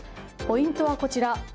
ポイントはこちら。